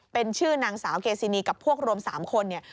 เป็นชื่อนางสาวเกซินีกับพวกรวม๓คนเนี่ย